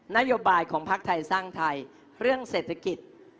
นโยบายของพักไทยสร้างไทยเรื่องเศรษฐกิจ